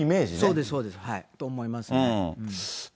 そうです、そうです、と思いますね。